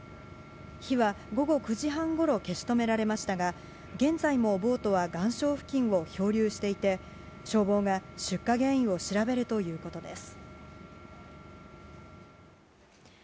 火は午後９時半ごろ消し止められましたが、現在もボートは岩礁付近を漂流していて、消防が出火原因を調べるということです。